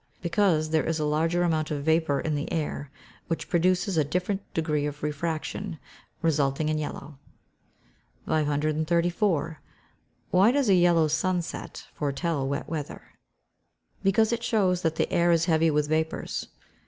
_ Because there is a larger amount of vapour in the air, which produces a different degree of refraction, resulting in yellow. 534. Why does a yellow sunset foretell wet weather? Because it shows that the air is heavy with vapours.